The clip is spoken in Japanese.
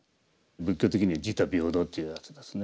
仏教的には自他平等っていうやつですね。